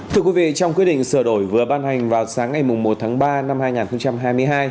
thưa quý vị trong quyết định sửa đổi vừa ban hành vào sáng ngày một tháng ba năm hai nghìn hai mươi hai